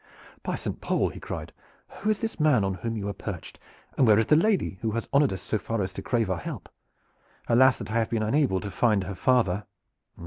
"By Saint Paul!" he cried, "who is this man on whom you are perched, and where is the lady who has honored us so far as to crave our help? Alas, that I have been unable to find her father!"